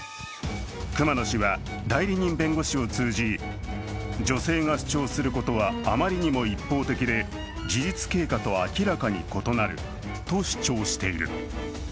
熊野氏は代理人弁護士を通じ女性が主張することはあまりにも一方的で事実経過と明らかに異なると主張している。